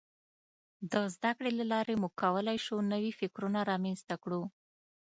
د زدهکړې له لارې موږ کولای شو نوي فکرونه رامنځته کړو.